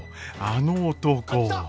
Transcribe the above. あの男。